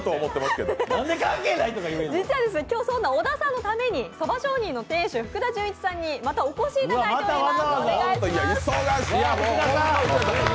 実はそんな小田さんのために蕎上人の店主、福田純一さんにまたお越しいただいています。